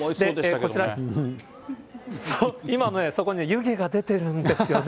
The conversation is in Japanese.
こちら、今、そこね、湯気が出てるんですよね。